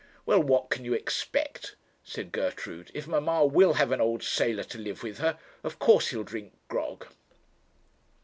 'Well, what can you expect?' said Gertrude; 'if mamma will have an old sailor to live with her, of course he'll drink grog.'